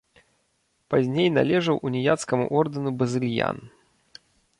Пазней належаў уніяцкаму ордэну базыльян.